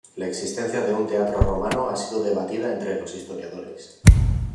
La existencia de un teatro romano ha sido debatida entre los historiadores.